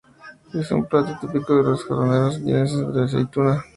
Es un plato típico de los jornaleros jiennenses de la aceituna.